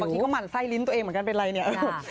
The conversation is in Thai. ทีก็หมั่นไส้ลิ้นตัวเองเหมือนกันเป็นไรเนี่ย